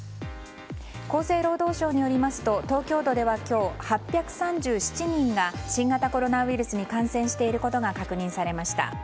厚生労働省によりますと東京都では、今日８３７人が新型コロナウイルスに感染していることが確認されました。